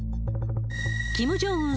キム・ジョンウン